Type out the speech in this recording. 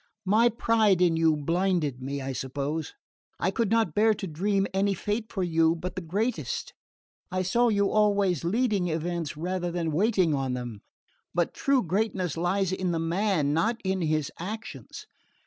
My pride in you blinded me, I suppose. I could not bear to dream any fate for you but the greatest. I saw you always leading events, rather than waiting on them. But true greatness lies in the man, not in his actions.